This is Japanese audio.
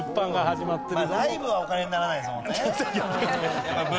まあライブはお金にならないですもんね。